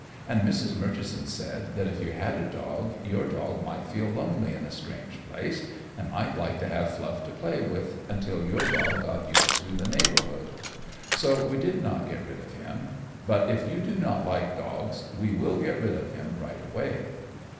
And Mrs. Murchison said that if you had a dog, your dog might feel lonely in a strange place and might like to have Fluff to play with until your dog got used to the neighborhood. So we did not get rid of him; but if you do not like dogs we will get rid of him right away."